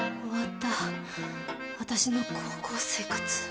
終わった私の高校生活。